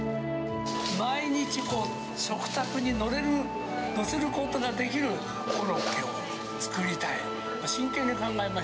毎日、食卓にのれる、のせることができるコロッケを作りたい。